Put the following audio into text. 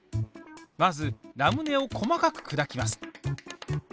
まずラムネを細かくくだきます。